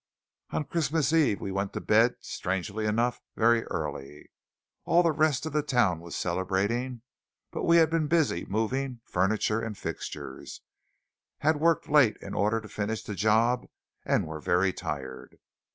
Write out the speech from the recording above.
On Christmas eve we went to bed, strangely enough, very early. All the rest of the town was celebrating, but we had been busy moving furniture and fixtures, had worked late in order to finish the job, and were very tired.